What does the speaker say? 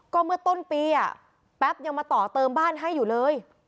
ก็เมื่อต้นปีแป๊บยังมาต่อเติมบ้านให้อยู่เลย